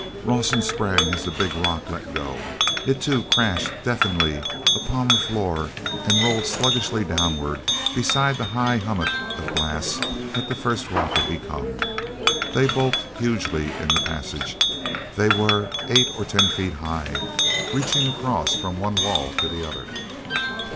Rawson sprang as the big rock let go. It, too, crashed deafeningly upon the floor and rolled sluggishly downward beside the high hummock of glass that the first rock had become. They bulked hugely in the passage. They were eight or ten feet high, reaching across from one wall to the other.